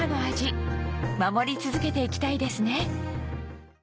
守り続けていきたいですね